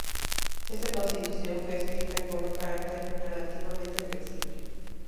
Esta constitución fue escrita con un carácter relativamente flexible.